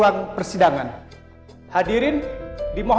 makanya saya bisa nyamperin mereka